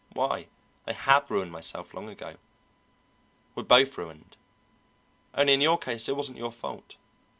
Why, I have ruined myself long ago. We're both ruined only in your case it wasn't your fault.